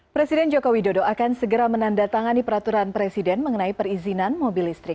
presiden joko widodo akan segera menandatangani peraturan presiden mengenai perizinan mobil listrik